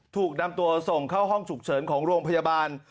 ถูกนำตัวส่งเข้าห้องฉุกเฉินของโรงพยาบาล